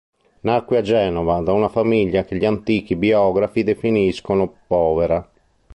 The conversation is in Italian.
Nacque a Genova, da una famiglia che gli antichi biografi definiscono povera.